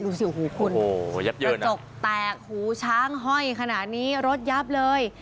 รูสิวหูคุณโอ้โหยับเยอะนะระจกแตกหูช้างห้อยขนาดนี้รถยับเลย